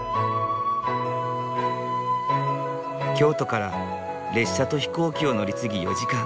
京都から列車と飛行機を乗り継ぎ４時間。